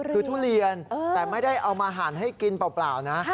คือทุเรียนแต่ไม่ได้เอามาหั่นให้กินเปล่านะ